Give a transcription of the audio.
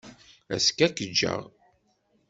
Azekka, ad k-jjeɣ.